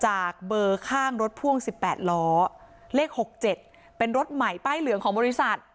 จากเบอร์ข้างรถพ่วง๑๘ล้อเลข๖๗เป็นรถใหม่ป้ายเหลืองของบริษัท